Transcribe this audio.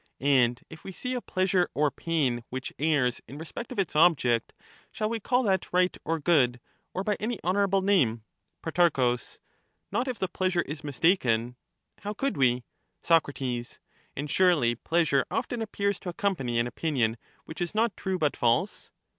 And if we see a pleasure or pain which errs in respect of its object, shall we call that right or good, or by any honourable name ? Pro, Not if the pleasure is mistaken ; how could we ? Soc. And surely pleasure often appears to accompany an opinion which is not true, but false